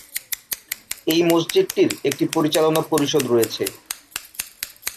এই মসজিদটির একটি পরিচালনা পরিষদ রয়েছে।